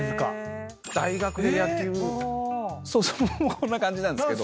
こんな感じなんですけど。